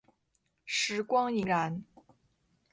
时光荏苒。